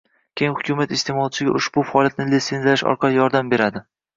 Keyin hukumat iste'molchiga ushbu faoliyatni litsenziyalash orqali yordam beradi